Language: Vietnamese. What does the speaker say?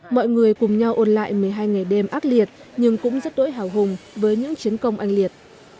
mọi người cùng nhau ôn lại một mươi hai ngày đêm ác liệt nhưng cũng rất đỗi hào hùng với những chiến công anh liệt